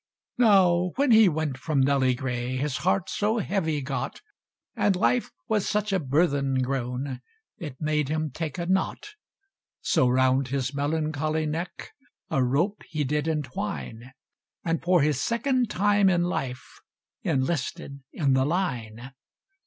_" Now when he went from Nelly Gray, His heart so heavy got And life was such a burthen grown, It made him take a knot! So round his melancholy neck A rope he did entwine, And, for his second time in life, Enlisted in the Line!